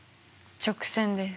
直線です。